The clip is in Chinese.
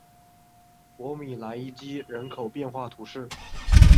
博米莱基伊人口变化图示